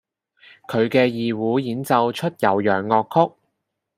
佢嘅二胡演奏出悠揚樂曲